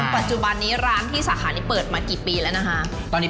ปัจจุบันนี้ร้านที่สาขานี้เปิดมากี่ปีแล้วนะคะตอนนี้